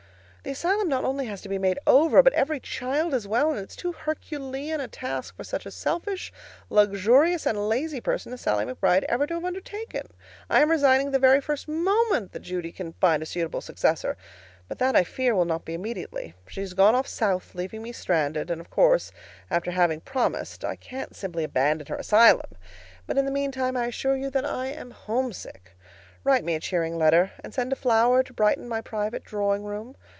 The asylum not only has to be made over, but every child as well, and it's too herculean a task for such a selfish, luxurious, and lazy person as Sallie McBride ever to have undertaken. I'm resigning the very first moment that Judy can find a suitable successor, but that, I fear, will not be immediately. She has gone off South, leaving me stranded, and of course, after having promised, I can't simply abandon her asylum. But in the meantime I assure you that I'm homesick. Write me a cheering letter, and send a flower to brighten my private drawing room.